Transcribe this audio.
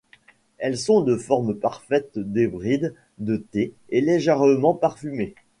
Elles sont de forme parfaite d'hybride de thé et légèrement parfumées.